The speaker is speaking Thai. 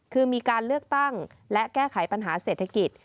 คือมีการเลือกตั้งและแก้ไขปัญหาเศรษฐกิจ